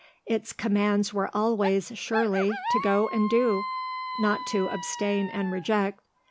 Its commands were always, surely, to go and do, not to abstain and reject.